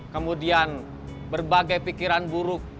kemudian berbagai pikiran buruk